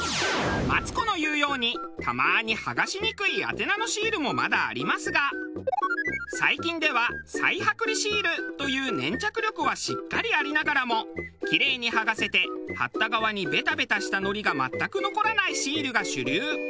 マツコの言うようにたまに剥がしにくい宛名のシールもまだありますが最近では再剥離シールという粘着力はしっかりありながらもキレイに剥がせて貼った側にベタベタしたのりが全く残らないシールが主流。